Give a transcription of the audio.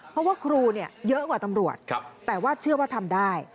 เพราะว่าครูเยอะกว่าตำรวจแต่ว่าเชื่อว่าทำได้